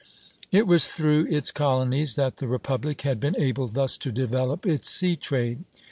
" It was through its colonies that the republic had been able thus to develop its sea trade.